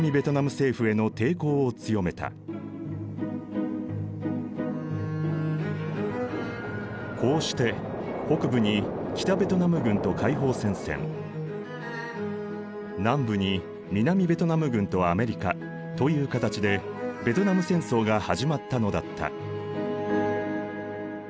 中国やソ連の支援を得てこうして北部に北ベトナム軍と解放戦線南部に南ベトナム軍とアメリカという形でベトナム戦争が始まったのだった。